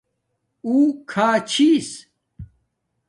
اُو کھا چھس